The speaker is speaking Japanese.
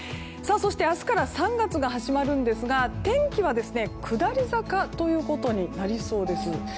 そして明日から３月が始まるんですが天気は下り坂ということになりそうです。